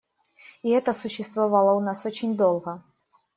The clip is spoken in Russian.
И это существовало у нас очень долго.